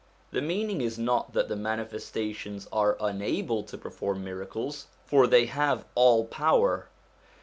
The meaning is not that the Manifestations are unable to perform miracles, for they have all power.